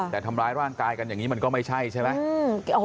แต่ทำร้ายร่างกายกันอย่างนี้มันก็ไม่ใช่ใช่ไหม